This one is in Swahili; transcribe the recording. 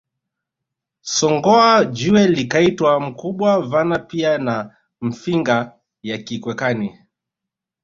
Songoa jiwe likaitwa mkumba vana pia na Mfinga ya Kikweni